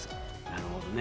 なるほどね。